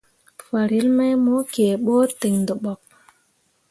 Farel mai mo kǝǝɓo ten dǝɓok.